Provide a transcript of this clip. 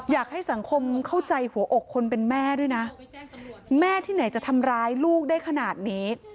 อยากให้สังคมเข้าใจหัวอกคนเป็นแม่ด้วยนะแม่ที่ไหนจะทำร้ายลูกได้ขนาดนี้